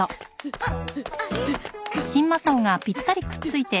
あっ！